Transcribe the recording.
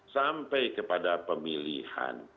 sampai kepada pemilihan